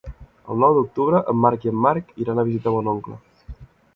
El nou d'octubre en Marc i en Marc iran a visitar mon oncle.